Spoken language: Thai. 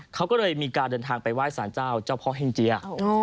เขาก็เลยมีการเดินทางไปไหว้สารเจ้าเจ้าพ่อเฮ่งเจีย